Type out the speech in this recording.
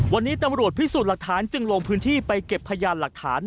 วันนี้ต่อมรวดพิสูจน์รับทราบเพื่อลงพื้นที่ไปเก็บพญานรับทราบ